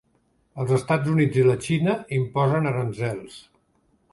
Els Estats Units i la Xina imposen aranzels